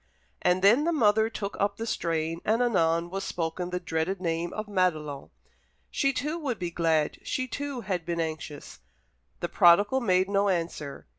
And then the mother took up the strain, and anon was spoken the dreaded name of Madelon. She too would be glad she too had been anxious. The prodigal made no answer.